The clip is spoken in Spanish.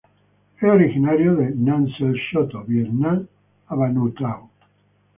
Es originario de Nansei-shoto, Vietnam a Vanuatu.